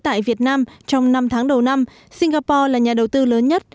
tại việt nam trong năm tháng đầu năm singapore là nhà đầu tư lớn nhất